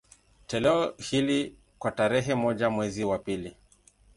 Toleo hili, kwa tarehe moja mwezi wa pili